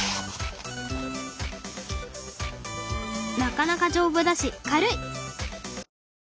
なかなかじょうぶだし軽い。